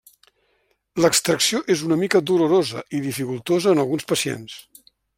L'extracció és una mica dolorosa i dificultosa en alguns pacients.